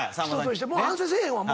もう反省せえへんわ。